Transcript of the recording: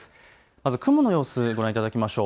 まず雲の様子、ご覧いただきましょう。